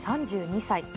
３２歳。